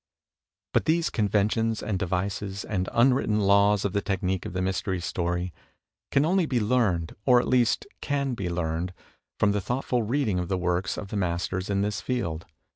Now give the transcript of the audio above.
But these conventions and devices and unwritten laws of the technique of the Mystery Story can only be learned — or, at least, can best be learned — from the thoughtful reading of the works of the masters in this field.